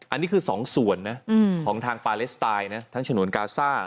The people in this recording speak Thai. อันนี้คือสองส่วนนะของทางปาเลสไตล์นะทั้งฉนวนกาซ่า